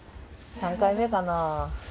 ３回目かな？